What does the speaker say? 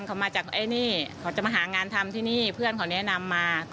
ก็อยากให้ตามจับได้ค่ะมันโหดร้ายเกินไปค่ะ